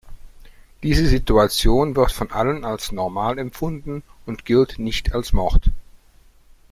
Diese Situation wird von allen als normal empfunden und gilt nicht als Mord.